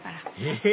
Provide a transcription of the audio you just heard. え！